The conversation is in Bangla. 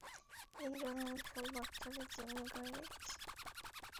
এইজন্যে আমি সব বাচ্চাদের জিম্মি করে রেখেছি।